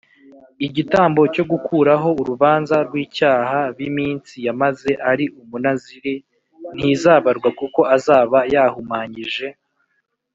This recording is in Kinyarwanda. igitambo cyo gukuraho urubanza rw icyaha b Iminsi yamaze ari Umunaziri ntizabarwa kuko azaba yahumanyije